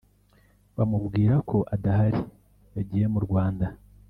bamubwira ko adahari yagiye mu Rwanda